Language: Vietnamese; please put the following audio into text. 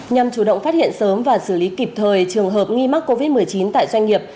nhằm chủ động phát hiện sớm và xử lý kịp thời trường hợp nghi mắc covid một mươi chín tại doanh nghiệp